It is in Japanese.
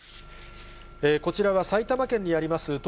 こちらは、埼玉県にあります